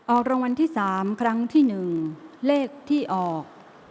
รางวัลที่๓ครั้งที่๑เลขที่ออก